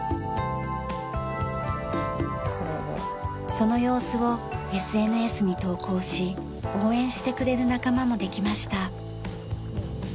その様子をＳＮＳに投稿し応援してくれる仲間もできました。